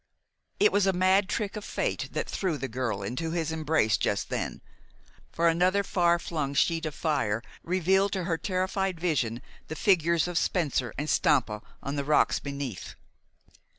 It was a mad trick of fate that threw the girl into his embrace just then, for another far flung sheet of fire revealed to her terrified vision the figures of Spencer and Stampa on the rocks beneath.